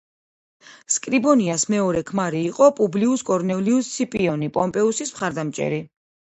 სკრიბონიას მეორე ქმარი იყო პუბლიუს კორნელიუს სციპიონი, პომპეუსის მხარდამჭერი.